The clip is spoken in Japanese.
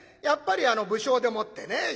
やっぱりあの武将でもってね